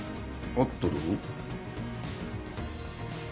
合ってる。